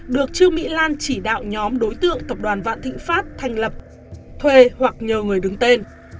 được trương mỹ lan chỉ đạo nhóm đối tượng tập đoàn vạn thịnh pháp thành lập thuê hoặc nhờ người đứng tên